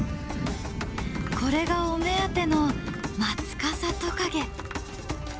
これがお目当てのマツカサトカゲ。